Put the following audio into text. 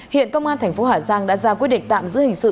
hiện công an thành phố hà giang đã ra quyết định tạm giữ hình sự